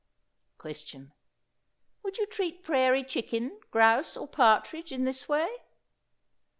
Question. Would you treat prairie chicken, grouse or partridge in this way?